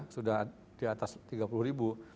sudah di atas tiga puluh ribu